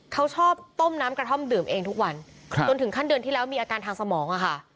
เขาชอบต้มน้ำกระท่อมดื่มเองทุกวันจนถึงขั้นเดือนที่แล้วมีอาการทางสมองอะค่ะ